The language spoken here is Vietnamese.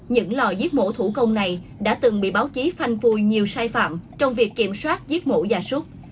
những lò giết mổ thủ công này đã từng bị báo chí phanh phui nhiều sai phạm trong việc kiểm soát giết mổ gia súc